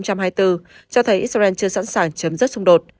cho thấy israel chưa sẵn sàng chấm dứt xung đột